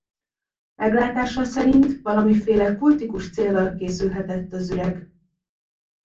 Meglátása szerint valamiféle kultikus céllal készülhetett az üreg.